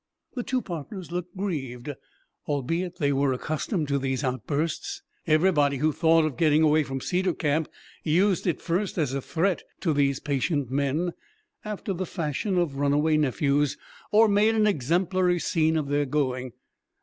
The two partners looked grieved, albeit they were accustomed to these outbursts. Everybody who thought of going away from Cedar Camp used it first as a threat to these patient men, after the fashion of runaway nephews, or made an exemplary scene of their going.